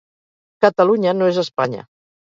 Catalunya no és Espanya